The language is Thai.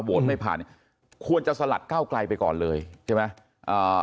ไม่ผ่านควรจะสลัดเก้าไกลไปก่อนเลยใช่ไหมอ่า